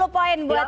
sepuluh poin buat